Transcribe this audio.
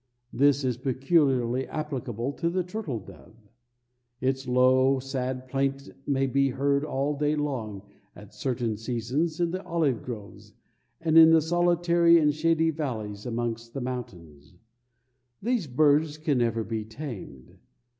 This is peculiarly applicable to the turtle dove. Its low, sad plaint may be heard all day long at certain seasons in the olive groves and in the solitary and shady valleys amongst the mountains. These birds can never be tamed.